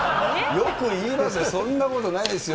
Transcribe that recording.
よく言いますよ。